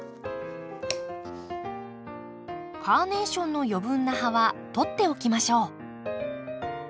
カーネーションの余分な葉は取っておきましょう。